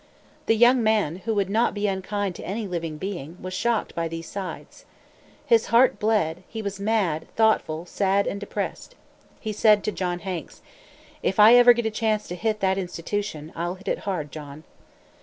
The young man, who would not be unkind to any living being, was shocked by these sights. "His heart bled; he was mad, thoughtful, sad, and depressed." He said to John Hanks, "If I ever get a chance to hit that institution, I'll hit it hard, John."